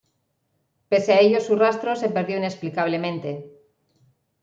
Pese a ello su rastro se perdió inexplicablemente.